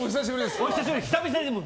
お久しぶりです。